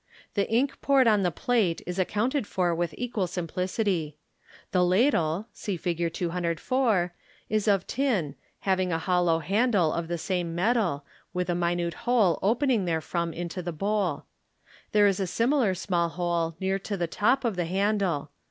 The ink poured on the plate is accounted for with equal simplicity. The ladle (see Fig. 204) is of tin, having a hollow handle of the same metal, with a minute hole opening therefrom into the bowl There is a similar small hole near to the top of the handle.